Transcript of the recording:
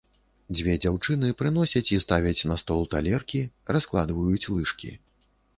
Дзве дзяўчыны прыносяць і ставяць на стол талеркі, раскладваюць лыжкі.